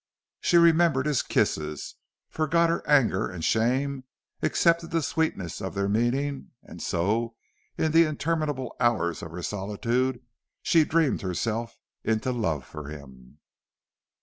She remembered his kisses, forgot her anger and shame, accepted the sweetness of their meaning, and so in the interminable hours of her solitude she dreamed herself into love for him.